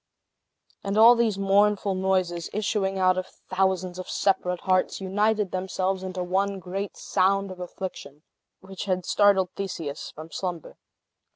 And all these mournful noises, issuing out of thousands of separate hearts, united themselves into one great sound of affliction, which had startled Theseus from slumber.